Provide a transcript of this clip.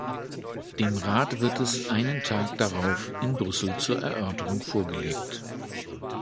Dem Rat wird es einen Tag darauf in Brüssel zur Erörterung vorgelegt.